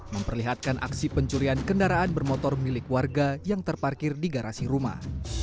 memperlihatkan aksi pencurian kendaraan bermotor milik warga yang terparkir di garasi rumah